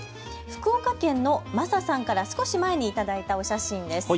福岡県のマサさんから少し前に頂いた写真です。